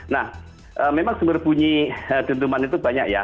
nah memang sumber bunyi dentuman itu banyak ya